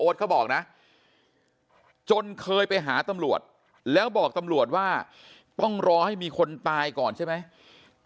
เขาบอกนะจนเคยไปหาตำรวจแล้วบอกตำรวจว่าต้องรอให้มีคนตายก่อนใช่ไหม